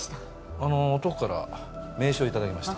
あの男から名刺をいただきました。